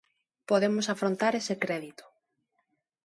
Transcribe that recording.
Podemos afrontar ese crédito.